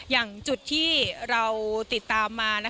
อย่างจุดที่เราติดตามมา